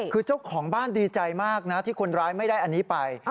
คือเจ้าของบ้านดีใจมากนะที่คนร้ายไม่ได้อันนี้ไป